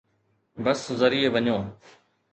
بس ذريعي وڃو